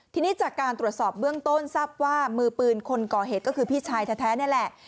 ทีนี้จากการตรวจสอบเบื้องต้นทราบว่ามือปืนคนก่อเหตุก็คือพี่ชายแท้นี่แหละ